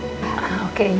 reina soalnya perlu istirahat